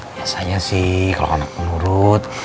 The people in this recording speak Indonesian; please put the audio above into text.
biasanya sih kalau anak menurut